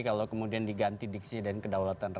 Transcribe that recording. kalau kemudian diganti diksi dan kedaulatan